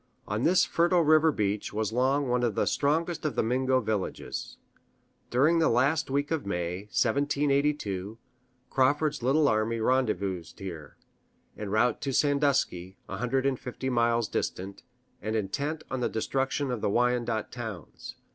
On this fertile river beach was long one of the strongest of the Mingo villages. During the last week of May, 1782, Crawford's little army rendezvoused here, en route to Sandusky, a hundred and fifty miles distant, and intent on the destruction of the Wyandot towns.